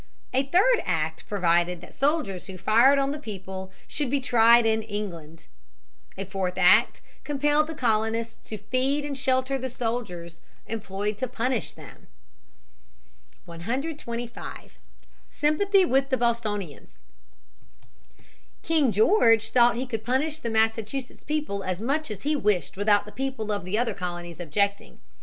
A third act provided that soldiers who fired on the people should be tried in England. And a fourth act compelled the colonists to feed and shelter the soldiers employed to punish them. [Sidenote: The colonists aid Massachusetts. Higginson, 174 177.] [Sidenote: George Washington.] 125. Sympathy with the Bostonians. King George thought he could punish the Massachusetts people as much as he wished without the people of the other colonies objecting.